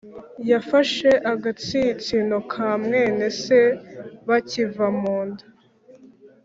Yafashe agatsinsino ka mwene se bakiva mu nda